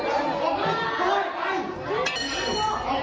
พี่โต๊ะพี่อย่าหิดเงิน